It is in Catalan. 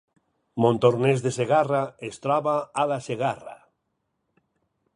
Montornès de Segarra es troba a la Segarra